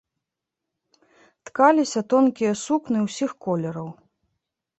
Ткаліся тонкія сукны ўсіх колераў.